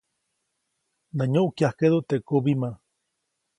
Nä nyuʼkyajkeʼdu teʼ kubimä.